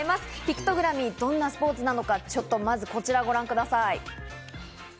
ピクトグラミー、どんなスポーツなのか、ちょっと、まずはこちらをご覧ください。